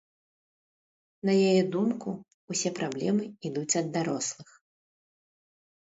На яе думку, усе праблемы ідуць ад дарослых.